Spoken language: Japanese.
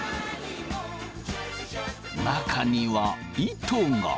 中には糸が。